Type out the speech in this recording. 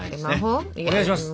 お願いします！